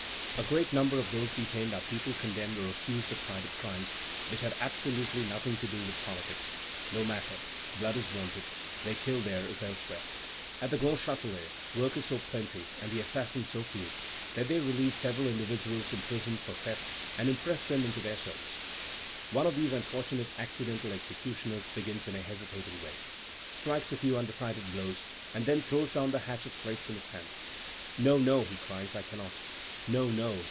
A great number of those detained are people condemned or accused of private crimes which had absolutely nothing in common with politics. No matter; blood is wanted; they kill there as elsewhere. At the Grand Châtelet, work is so plenty, and the assassins so few, that they release several individuals imprisoned for theft, and impress them into their service. One of these unfortunate accidental executioners begins in a hesitating way, strikes a few undecided blows, and then throws down the hatchet placed in his hands. "No, no," he cries, "I cannot. No, no!